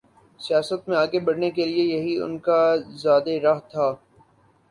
سیاست میں آگے بڑھنے کے لیے یہی ان کا زاد راہ تھا۔